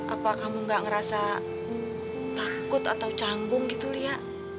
apa kamu gak ngerasa takut atau canggung gitu lia